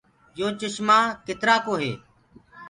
يو چشمآ ڪِتآرآ ڪو هي۔